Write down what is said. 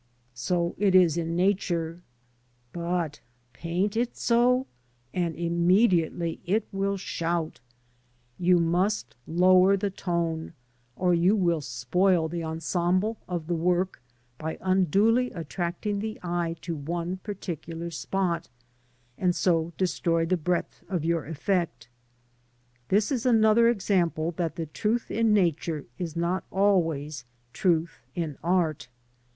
So it is in Nature; but paint it so, and immediately it will "shout." You must lower the tone, or you will spoil the ensemble of the work by unduly attracting the eye to one particular spot, and so destroy the STOW ON THE WOLD. (SOFT GROUND ETCHING.) breadth of your effect This is another example that the truth in Nature is not always truth in Art.